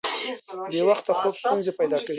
بې وخته خوب ستونزې پیدا کوي.